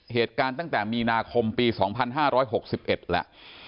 เหตุการณ์ตั้งแต่มีนาคมปี๒๕๖๑แล้ว